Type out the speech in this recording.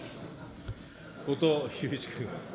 後藤祐一君。